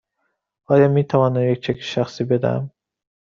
آیا می توانم چک شخصی بدهم؟